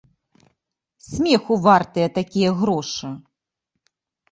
Смеху вартыя такія грошы.